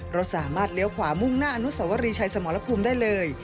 รถสามารถเลี้ยวขวามุ่งหน้าอนุสวรีชัยสมรภูมิได้เลย